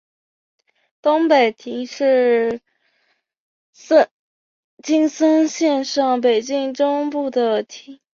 东北町是青森县上北郡中部的町。